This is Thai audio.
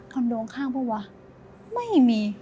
คอนโดข้างเปล่าวะไม่มี